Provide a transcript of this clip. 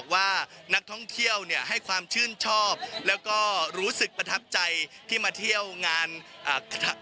ว่านักท่องเที่ยวเนี่ยให้ความชื่นชอบแล้วก็รู้สึกประทับใจที่มาเที่ยวงานอ่า